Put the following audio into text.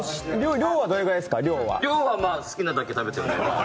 量は好きなだけ食べて。